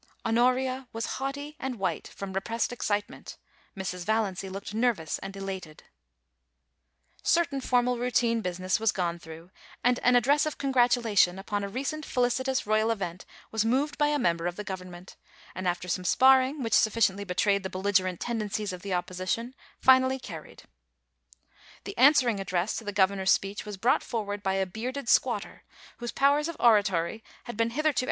Honoria was haughty and white from repressed excitement ; Mrs, Valiancy looked nervous and elated Certain formal routine business was gone through, and an address of congratulation upon a recent felicitous Royal event was moved by a member of the Government, and after some sparring, which sufficiently betrayed the belligerent tendencies of the Opposition, finally carried The answering address to the Governor's speech was brought forward by a bearded squatter, whose powers of oratory had been hitherto THE COUP D'ETAT.